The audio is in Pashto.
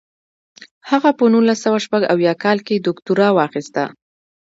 هغه په نولس سوه شپږ اویا کال کې دوکتورا واخیسته.